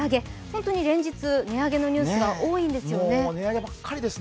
本当に連日、値上げのニュースが多いんですよね。